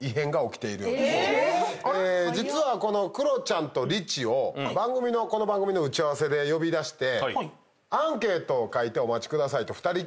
実はクロちゃんとリチをこの番組の打ち合わせで呼び出して。